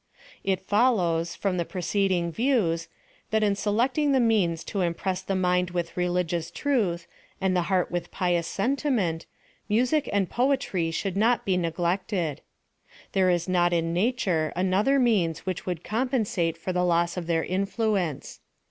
It follows, from the preceding views, that in se lecting the means to impress the mind with religious truth, and the heart with pious sentiment, music and poetry could not be neglected. There is not in na ture another means which would compensate for the loss of their influence.